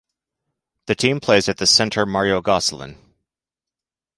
The team plays at the Centre Mario Gosselin.